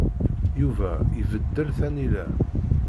Yuba ibeddel tanila.